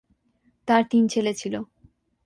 তাঁর তিন ছেলে ছিল।